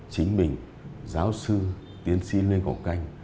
chính mình giáo sư tiến sĩ lê ngọc canh